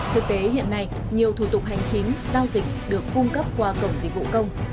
thực tế hiện nay nhiều thủ tục hành chính giao dịch được cung cấp qua cổng dịch vụ công